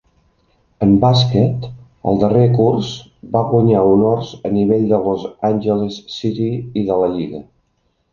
En bàsquet, al darrer curs, va guanyar honors a nivell de Los Angeles City i de la lliga.